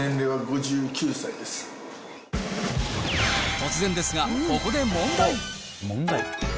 突然ですがここで。